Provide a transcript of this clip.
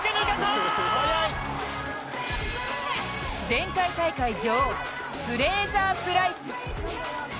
前回大会女王フレイザー・プライス。